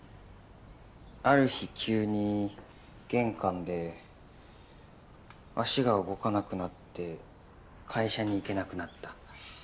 ある日急に玄関で足が動かなくなって会社に行けなくなった。